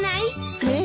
えっ！？